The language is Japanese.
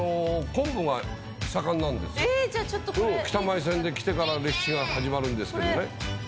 北前船で来てから歴史が始まるんですけどね。